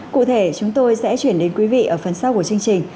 cụ thể chúng tôi sẽ chuyển đến quý vị ở phần sau của chương trình